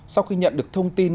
sau khi nhận được thông tin